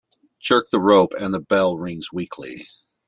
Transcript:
Jerk the rope and the bell rings weakly.